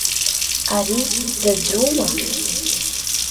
Ари даӡәума!